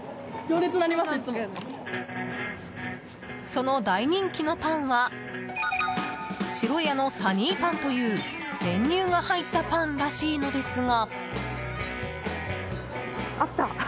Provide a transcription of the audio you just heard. その大人気のパンはシロヤのサニーパンという練乳が入ったパンらしいのですが。